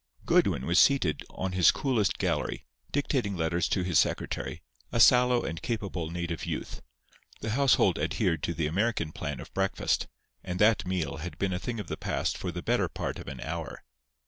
Goodwin was seated on his coolest gallery, dictating letters to his secretary, a sallow and capable native youth. The household adhered to the American plan of breakfast; and that meal had been a thing of the past for the better part of an hour.